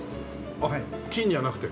あっ金じゃなくて？